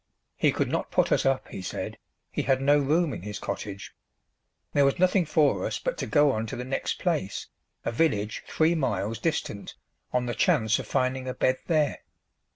He could not put us up, he said, he had no room in his cottage; there was nothing for us but to go on to the next place, a village three miles distant, on the chance of finding a bed there.